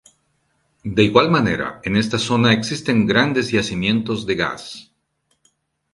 De igual manera, en esta zona existen grandes yacimientos de gas.